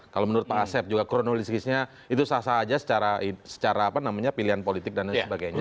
kalau menurut pak asep juga kronologisnya itu sah sah aja secara pilihan politik dan lain sebagainya